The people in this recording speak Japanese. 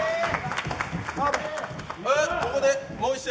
ここでもう１試合